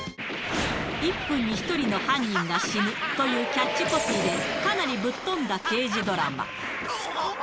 １分に１人の犯人が死ぬというキャッチコピーで、かなりぶっとんだ刑事ドラマ。